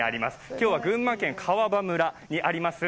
今日は群馬県川場村にあります